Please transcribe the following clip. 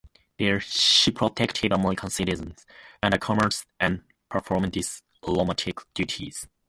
There she protected American citizens and commerce and performed diplomatic duties.